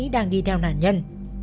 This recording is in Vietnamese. đang đi theo nạn nhân